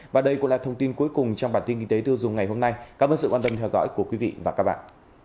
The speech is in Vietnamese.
và đây cũng là thông tin cuối cùng trong bản tin kinh tế tiêu dùng ngày hôm nay cảm ơn sự quan tâm theo dõi của quý vị và các bạn